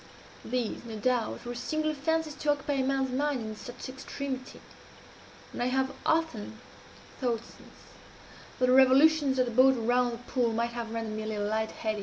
These, no doubt, were singular fancies to occupy a man's mind in such extremity and I have often thought, since, that the revolutions of the boat around the pool might have rendered me a little light headed.